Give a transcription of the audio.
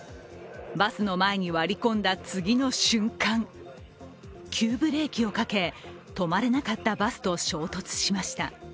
バスの前に割り込んだ次の瞬間、急ブレーキをかけ止まれなかったバスと衝突しました。